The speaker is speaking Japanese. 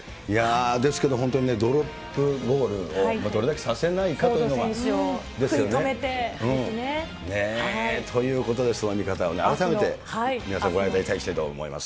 ですけど、本当にドロップゴールをどれだけさせないかというのが。食い止めてですね。ということで、改めて皆さんご覧いただきたいと思います。